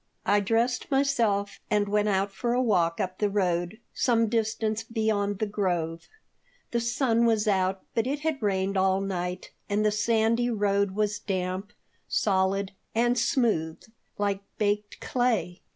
I dressed myself and went out for a walk up the road, some distance beyond the grove. The sun was out, but it had rained all night and the sandy road was damp, solid, and smooth, like baked clay.